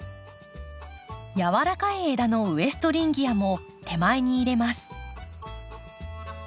やわらかい枝のウエストリンギアも手前に入れます。